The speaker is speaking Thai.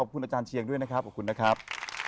ขอบคุณอาจารย์เชียงด้วยนะครับขอบคุณนะครับ